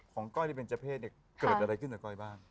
ก้อยที่เป็นเจ้าเพศเนี่ยเกิดอะไรขึ้นกับก้อยบ้าง